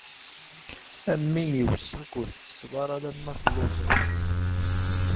A mmi iweṣṣa-k ur tettetteḍ alemma telluẓeḍ.